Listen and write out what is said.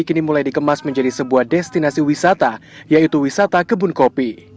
kini mulai dikemas menjadi sebuah destinasi wisata yaitu wisata kebun kopi